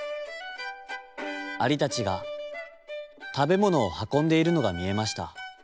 アリたちがたべものをはこんでいるのがみえました。